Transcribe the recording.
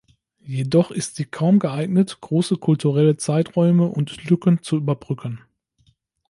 Jedoch ist sie kaum geeignet große kulturelle Zeiträume und Lücken zu überbrücken.